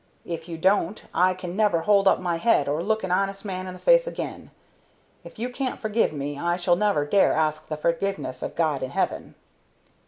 If you don't, I can never hold up my head or look an honest man in the face again. If you can't forgive me I shall never dare ask the forgiveness of God in heaven."